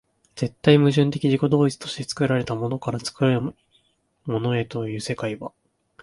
絶対矛盾的自己同一として作られたものから作るものへという世界は、